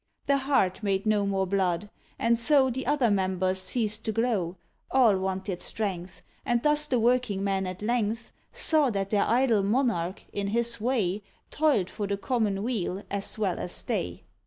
The heart made no more blood, and so The other members ceased to glow; All wanted strength, And thus the working men at length Saw that their idle monarch, in his way, Toiled for the common weal as well as they.